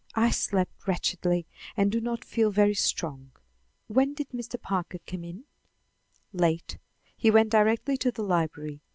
I slept wretchedly and do not feel very strong. When did Mr. Packard come in?" "Late. He went directly to the library.